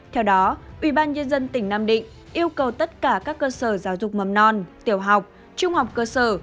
theo đó ubnd tỉnh nam định yêu cầu tất cả các cơ sở giáo dục mầm non tiểu học trung học cơ sở